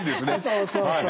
そうそうそう。